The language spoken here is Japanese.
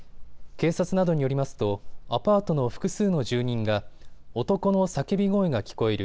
警察などによりますとアパートの複数の住人が男の叫び声が聞こえる。